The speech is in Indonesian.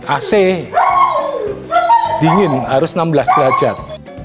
ac dingin harus enam belas derajat